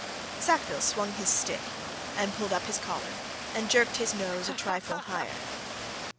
Sackville swung his stick, and pulled up his collar, and jerked his nose a trifle higher.